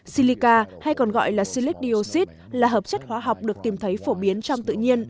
silica hay còn gọi là silic dioxide là hợp chất khoa học được tìm thấy phổ biến trong tự nhiên